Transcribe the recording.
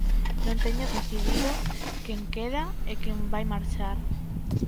Non teño decidido quen queda e quen vai marchar.